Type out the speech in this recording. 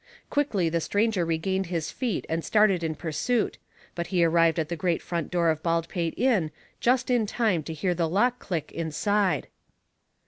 Quickly the stranger regained his feet and started in pursuit, but he arrived at the great front door of Baldpate Inn just in time to hear the lock click inside.